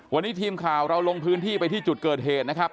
วันนี้ทีมข่าวเราลงพื้นที่ไปที่จุดเกิดเหตุนะครับ